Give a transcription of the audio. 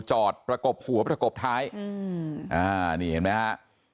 จอดประกบหัวประกบท้ายอ่านี่เห็นมั้ยฮะ